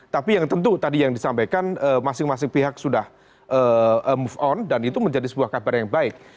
tapi yang tentu tadi yang disampaikan masing masing pihak sudah move on dan itu menjadi sebuah kabar yang baik